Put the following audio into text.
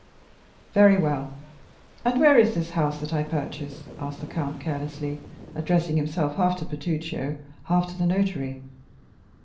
"Very well; and where is this house that I purchase?" asked the count carelessly, addressing himself half to Bertuccio, half to the notary.